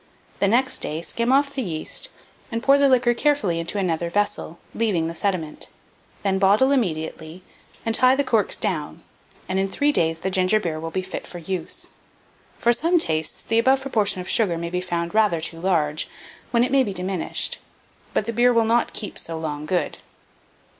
The next day skim off the yeast, and pour the liquor carefully into another vessel, leaving the sediment; then bottle immediately, and tie the corks down, and in 3 days the ginger beer will be fit for use. For some tastes, the above proportion of sugar may be found rather too large, when it may be diminished; but the beer will not keep so long good.